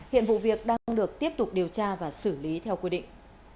hiện vụ việc đang được tiếp tục điều tra và xử lý theo quy định